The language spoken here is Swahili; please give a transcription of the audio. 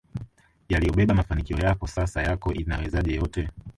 yaliyobeba mafanikio yako Sasa yako inawezaje yote